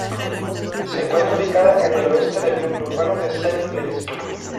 Se encuentra ubicada en el oeste del núcleo urbano de Saint-Blaise.